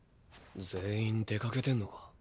全員出かけてんのか。